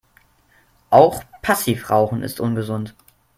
Auch Passivrauchen ist ungesund.